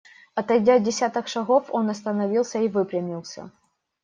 Отойдя десяток шагов, он остановился и выпрямился.